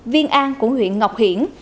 viên an của huyện ngọc hiển